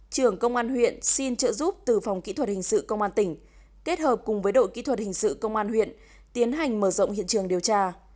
trưởng công an huyện xin trợ giúp từ phòng kỹ thuật hình sự công an tỉnh kết hợp cùng với đội kỹ thuật hình sự công an huyện tiến hành mở rộng hiện trường điều tra